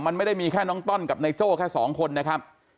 มันไม่ได้มีแค่น้องต้อนกับนายโจ้แค่สองคนนะครับ